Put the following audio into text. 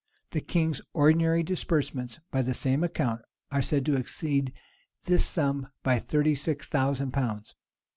The king's ordinary disbursements, by the same account, are said to exceed this sum thirty six thousand pounds.